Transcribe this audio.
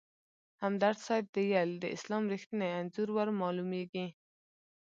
همدرد صیب ویل: د اسلام رښتیني انځور ورمالومېږي.